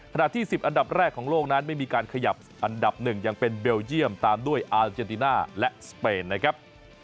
ที่๑๐อันดับแรกของโลกนั้นไม่มีการขยับอันดับ๑ยังเป็นเบลเยี่ยมตามด้วยอาเจนติน่าและสเปนนะครับ